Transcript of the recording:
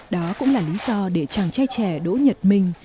đó cũng là lý do để chàng trai trẻ đỗ nhật minh